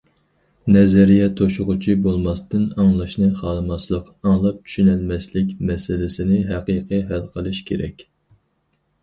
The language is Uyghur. نەزەرىيە‹‹ توشۇغۇچى›› بولماستىن، ئاڭلاشنى خالىماسلىق، ئاڭلاپ چۈشىنەلمەسلىك مەسىلىسىنى ھەقىقىي ھەل قىلىش كېرەك.